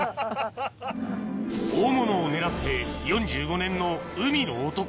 大物を狙って４５年の海の男